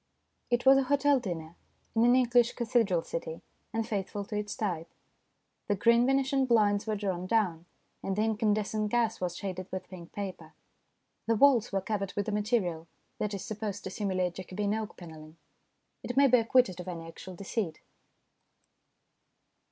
It was a hotel dinner in an English cathedral city, and faithful to its type. The green Venetian blinds were drawn down, and the incandescent gas was shaded with pink paper. The walls were covered with a material that is supposed to simulate Jacobean oak panelling ; it may be acquitted of any actual deceit.